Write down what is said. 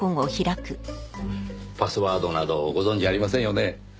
パスワードなどご存じありませんよね？